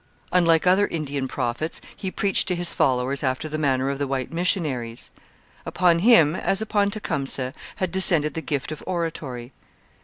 Unlike other Indian prophets, he preached to his followers after the manner of the white missionaries. Upon him, as upon Tecumseh, had descended the gift of oratory.